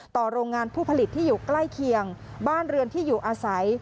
โรงงานผู้ผลิตที่อยู่ใกล้เคียงบ้านเรือนที่อยู่อาศัย